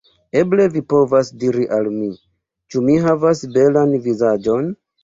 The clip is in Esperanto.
Eble vi povas diri al mi: ĉu mi havas belan vizaĝon?